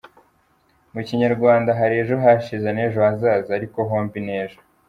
Mu Kinyarwanda, hari ejo hashize n’ejo hazaza, ariko hombi n’ejo.